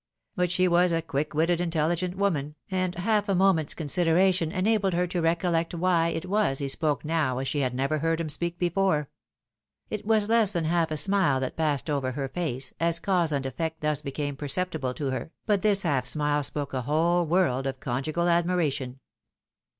But she was a quick witted, intelligent woman, and half a MATERNAL COMPARISONS. 107 moment's consideration enabled her to recollect why it was he spoke now as she had never heard him speak before. It was less than half a smile that passed over her face, as cause and effect thus became perceptible to her, but this half snule spoke a whole world of conjugal admiration.